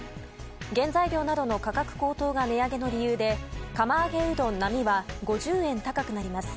原材料などの価格高騰が値上げの理由で釜揚げうどんは５０円高くなります。